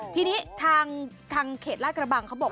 ทีนี้ทางเขตลาดกระบังเขาบอก